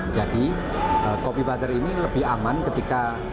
jadi kopi butter ini lebih aman ketika kita makan di tempat lain